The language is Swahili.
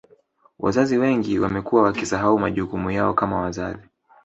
Wazazi wengi wamekuwa wakisahau majukumu yao kama wazazi